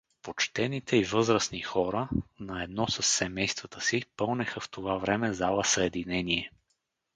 Почтените и възрастни хора, наедно със семействата си, пълнеха в това време „Зала Съединение“.